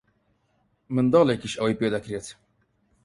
منداڵێکیش ئەوەی پێ دەکرێت.